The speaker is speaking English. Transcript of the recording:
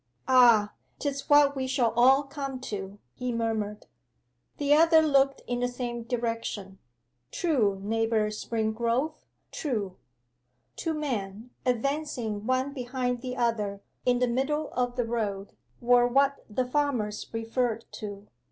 'Ah, 'tis what we shall all come to!' he murmured. The other looked in the same direction. 'True, neighbour Springrove; true.' Two men, advancing one behind the other in the middle of the road, were what the farmers referred to.